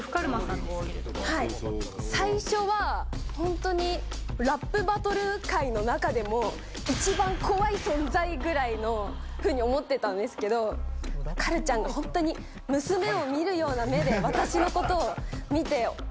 最初はホントにラップバトル界の中でも一番怖い存在ぐらいのふうに思ってたんですけどカルちゃんがホントに娘を見るような目で私の事を見てお話ししてくださるんですよ。